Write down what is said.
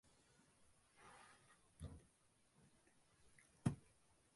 நாடுகள் பலவாயினும் ஒர் உலகமே!